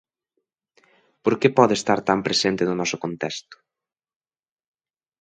Por que pode estar tan presente no noso contexto?